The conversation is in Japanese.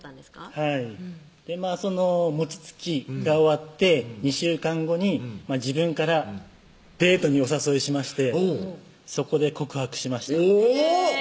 はいその餅つきが終わって２週間後に自分からデートにお誘いしましてそこで告白しましたおぉ！